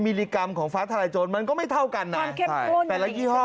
มิลลิกรัมของฟ้าทลายโจรมันก็ไม่เท่ากันนะแต่ละยี่ห้อ